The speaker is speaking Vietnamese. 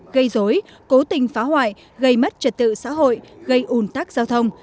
gây dối cố tình phá hoại gây mất trật tự xã hội gây ủn tắc giao thông